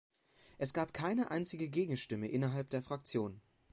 Es gab keine einzige Gegenstimme innerhalb der Fraktion.